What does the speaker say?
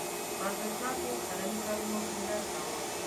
پر ارزښتناکو قلمي کارونو ټینګار کاوه.